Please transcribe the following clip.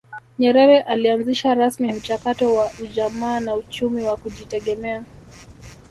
Nyerere alianzisha rasmi mchakato wa ujamaa na uchumi wa kujitegemea